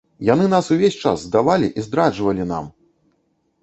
Яны нас увесь час здавалі і здраджвалі нам!